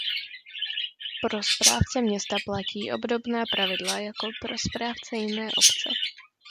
Pro správce města platí obdobná pravidla jako pro správce jiné obce.